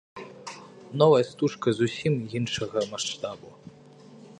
Новая стужка зусім іншага маштабу.